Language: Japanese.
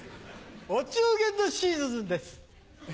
お中元のシーズンです。